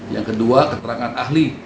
yang kedua keterangan ahli